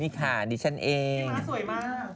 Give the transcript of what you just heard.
นี่ไงอยู่สวิสเซอร์แลนด์